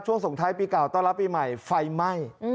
ส่งท้ายปีเก่าต้อนรับปีใหม่ไฟไหม้